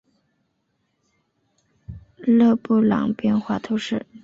勒朗人口变化图示